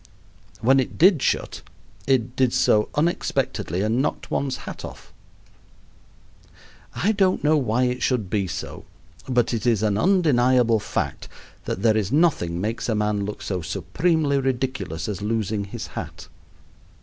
When it did shut it did so unexpectedly and knocked one's hat off. I don't know why it should be so, but it is an undeniable fact that there is nothing makes a man look so supremely ridiculous as losing his hat.